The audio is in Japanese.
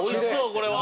これは。